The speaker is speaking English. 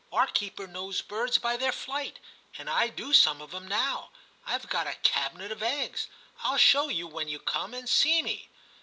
Our keeper knows birds by their flight, and I do some of 'em now. I've got a cabinet of eggs. I'll show you when you come and see me.'